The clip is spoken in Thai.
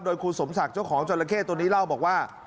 โดยคุณสมศักดิ์เจ้าของจราเข้ตัวนี้เล่าบอกว่า